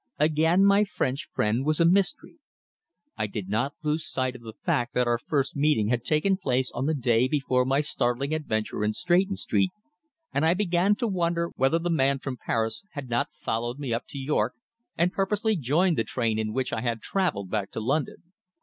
Again, my French friend was a mystery. I did not lose sight of the fact that our first meeting had taken place on the day before my startling adventure in Stretton Street, and I began to wonder whether the man from Paris had not followed me up to York and purposely joined the train in which I had travelled back to London.